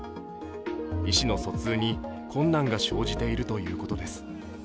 意思の疎通に困難が生じているということです。